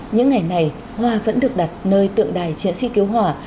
những ngày này hoa vẫn được đặt nơi tượng đài triển sĩ cứu hòa